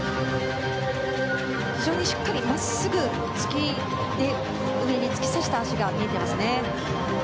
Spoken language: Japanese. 非常にしっかり真っすぐ上に突き刺した脚が見えていますね。